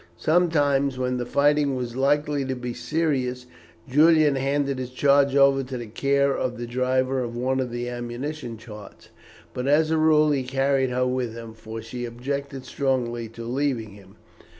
Sometimes when the fighting was likely to be serious Julian handed his charge over to the care of the driver of one of the ammunition carts, but as a rule he carried her with him, for she objected strongly to leaving him.